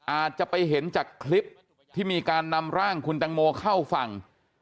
อาจจะไปเห็นจากคลิปที่มีการนำร่างคุณตังโมเข้าฝั่ง